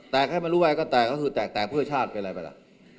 แตกให้มันร่วมก็แตกแตกผู้ชาติเป็นอะไรไปล่ะ